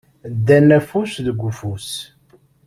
Ddan afus deg ufus.